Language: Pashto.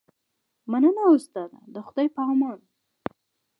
مننه استاده د خدای په امان